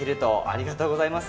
ありがとうございます。